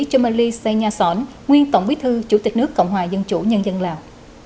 chumali senyason nguyên tổng bí thư chủ tịch nước cộng hòa dân chủ nhân dân lào